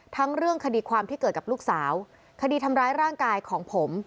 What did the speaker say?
ทั้งเรื่องคดีความที่เกิดกับลูกสาวคดีทำร้ายร่างกายของผม